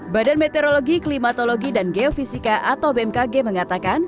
badan meteorologi klimatologi dan geofisika atau bmkg mengatakan